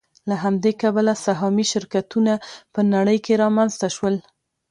له همدې کبله سهامي شرکتونه په نړۍ کې رامنځته شول